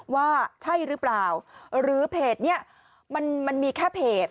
ว่าใช่หรือเปล่าหรือเพจนี้มันมีแค่เพจ